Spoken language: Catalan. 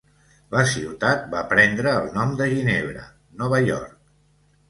La ciutat va prendre el nom de Ginebra, Nova York.